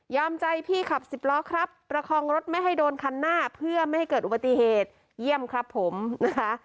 ใจพี่ขับสิบล้อครับประคองรถไม่ให้โดนคันหน้าเพื่อไม่ให้เกิดอุบัติเหตุเยี่ยมครับผมนะคะ